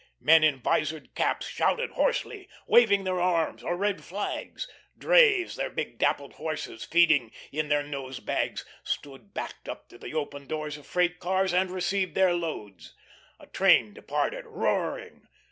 Men in visored caps shouted hoarsely, waving their arms or red flags; drays, their big dappled horses, feeding in their nose bags, stood backed up to the open doors of freight cars and received their loads. A train departed roaring.